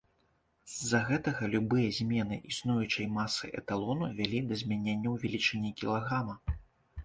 З-за гэтага любыя змены існуючай масы эталону вялі да змяненняў велічыні кілаграма.